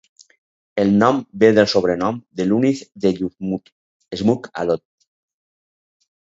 El nom ve del sobrenom de Luniz de Yukmouth, "Smoke-a-Lot".